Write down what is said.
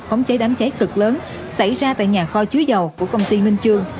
để khống chế đám cháy cực lớn xảy ra tại nhà kho chứa dầu của công ty minh chương